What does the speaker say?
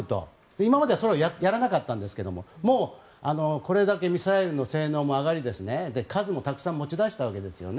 今まではそれはやらなかったんですがもうこれだけミサイルの性能も上がり数もたくさん持ち出したわけですよね。